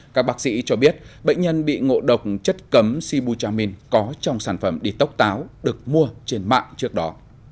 các bác sĩ cho biết bệnh nhân bị ngộ độc chất cấm sibutramine có trong sản phẩm detox táo được mua trên mạng trước đó